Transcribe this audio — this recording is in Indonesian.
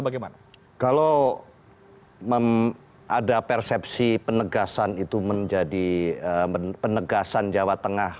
kalau ada persepsi penegasan itu menjadi penegasan jawa tengah